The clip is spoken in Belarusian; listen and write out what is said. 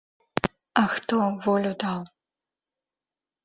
А хто волю даў?